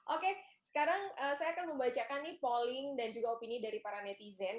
oke sekarang saya akan membacakan nih polling dan juga opini dari para netizen